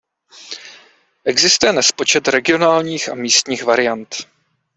Existuje nespočet regionálních a místních variant.